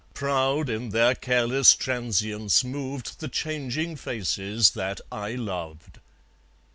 Proud in their careless transience moved The changing faces that I loved.